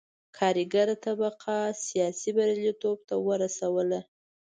کارګره طبقه سیاسي بریالیتوب ته ورسوله.